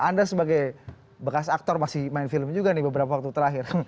anda sebagai bekas aktor masih main film juga nih beberapa waktu terakhir